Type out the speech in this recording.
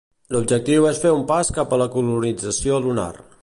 L'objectiu és fer un pas cap a la colonització lunar.